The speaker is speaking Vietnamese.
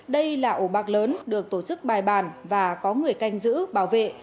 đây là ổ bạc lớn được tổ chức bài bản và có người canh giữ bảo vệ